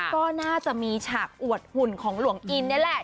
ก็น่าจะมีฉากอวดหุ่นของหลวงอินนี่แหละ